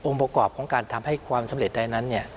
ประกอบของการทำให้ความสำเร็จใดนั้น